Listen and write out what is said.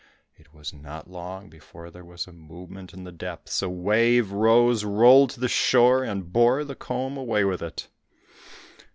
It was not long before there was a movement in the depths, a wave rose, rolled to the shore, and bore the comb away with it.